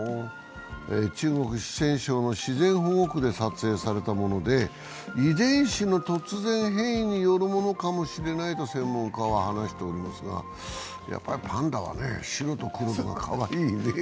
中国・四川省の自然保護区で撮影されたもので、遺伝子の突然変異によるものかもしれないと専門家は話していますがやっぱりパンダは白と黒の方がかわいいね。